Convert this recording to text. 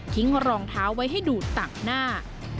ทิ้งรองเท้าไว้ให้ดูดต่างหน้า